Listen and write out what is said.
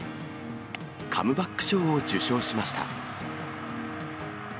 カムバック賞を受賞しました。